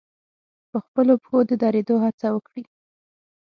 په خپلو پښو د درېدو هڅه وکړي.